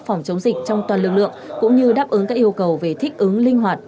phòng chống dịch trong toàn lực lượng cũng như đáp ứng các yêu cầu về thích ứng linh hoạt